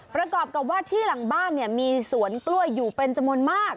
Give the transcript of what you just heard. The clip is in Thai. ประกอบกับว่าที่หลังบ้านเนี่ยมีสวนกล้วยอยู่เป็นจำนวนมาก